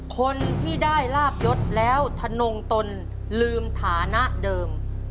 คนที่ได้ลาบยศแล้วทนงตนลืมฐานะเดิม